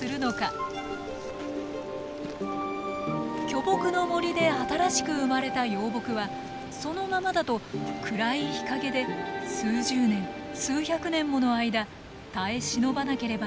巨木の森で新しく生まれた幼木はそのままだと暗い日陰で数十年数百年もの間耐え忍ばなければなりません。